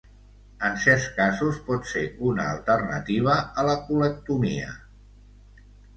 En certs casos, pot ser una alternativa a la colectomia.